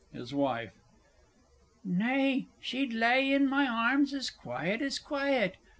HIS WIFE. Nay, she'd lay in my arms as quiet as quiet.